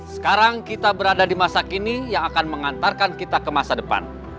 sekarang kita berada di masa kini yang akan mengantarkan kita ke masa depan